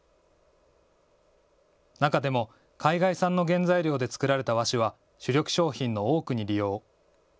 中でも海外産の原材料で作られた和紙は主力商品の多くに利用。